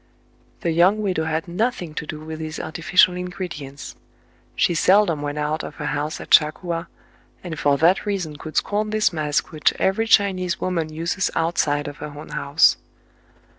The young widow had nothing to do with these artificial ingredients. She seldom went out of her house at Cha Coua, and for that reason could scorn this mask which every Chinese woman uses outside of her own house.